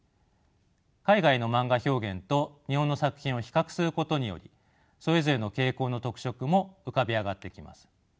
海外のマンガ表現と日本の作品を比較することによりそれぞれの傾向の特色も浮かび上がってきます。